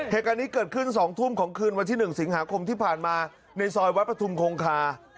เหตุการณ์นี้เกิดขึ้น๒ทุ่มของคืนวันที่๑สิงหาคมที่ผ่านมาในซอยวัดประทุมคงคา